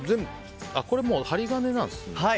これ、針金なんですね。